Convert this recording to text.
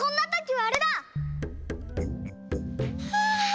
はあ。